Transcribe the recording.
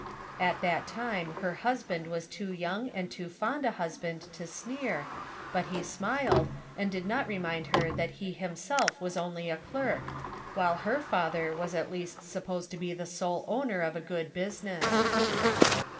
At that time her husband was too young and too fond a husband to sneer, but he smiled, and did not remind her that he himself was only a clerk, while her father was at least supposed to be the sole owner of a good business.